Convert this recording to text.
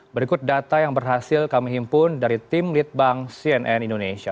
berikut data yang berhasil kami himpun dari tim litbang cnn indonesia